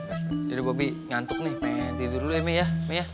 jadi bobby ngantuk nih pengen tidur dulu ya emi ya